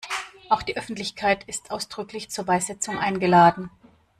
Auch die Öffentlichkeit ist ausdrücklich zur Beisetzung eingeladen.